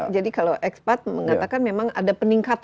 jadi kalau ekspat mengatakan memang ada peningkatan